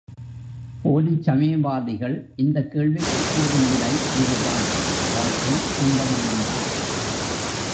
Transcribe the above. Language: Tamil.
போலிச் சமயவாதிகள் இந்தக் கேள்விக்குக் கூறும் விடை இது தான் வாழ்க்கை துன்பமயந்தான்.